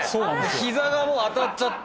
膝がもう当たっちゃって。